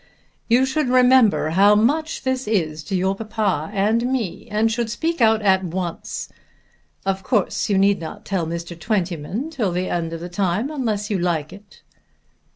"You should remember how much this is to your papa and me and should speak out at once. Of course you need not tell Mr. Twentyman till the end of the time unless you like it."